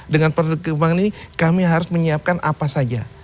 dengan perkembangan ini kami harus menyiapkan apa saja